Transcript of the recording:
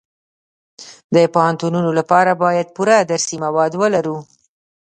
د پوهنتونونو لپاره باید پوره درسي مواد ولرو